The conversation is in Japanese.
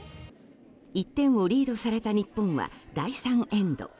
１点をリードされた日本は第３エンド。